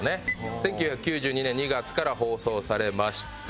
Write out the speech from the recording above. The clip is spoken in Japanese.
１９９２年２月から放送されました。